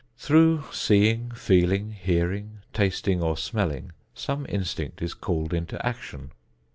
Through seeing, feeling, hearing, tasting or smelling, some instinct is called into action.